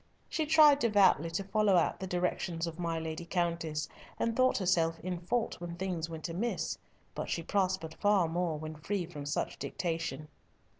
She tried devoutly to follow out the directions of my Lady Countess, and thought herself in fault when things went amiss, but she prospered far more when free from such dictation.